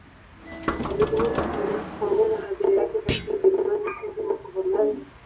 Alitumia kipindi hiki kuongeza athira yake katika Ujerumani, Uswisi na Uholanzi.